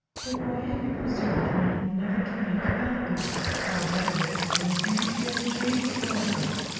But why have you preserved one who never can make you happy? Far better would it have been for you to have obeyed your Oracle.